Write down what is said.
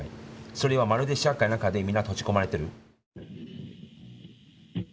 それはまるで社会の中で皆閉じ込められてる。